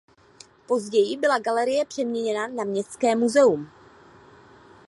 Později byla galerie přeměněna na městské muzeum.